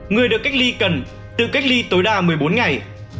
người được cách ly cần tự cách ly tối đa một mươi bốn ngày